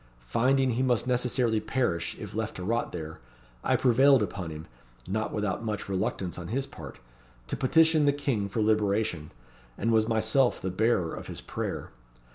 Finding he must necessarily perish, if left to rot there, I prevailed upon him (not without much reluctance on his part) to petition the King for liberation; and was myself the bearer of his prayer.